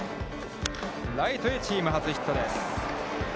ライトへチーム初ヒットです。